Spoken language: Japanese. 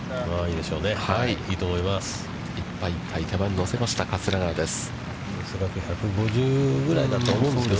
いっぱいいっぱい乗せました桂川です。